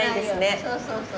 そうそうそう。